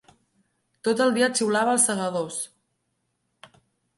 Tot el dia xiulava "Els Segadors".